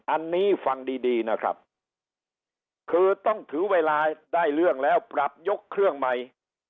อันนี้ฟังดีดีนะครับคือต้องถือเวลาได้เรื่องแล้วปรับยกเครื่องใหม่